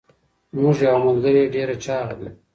زمونږ یوه ملګري ډير چاغ دي.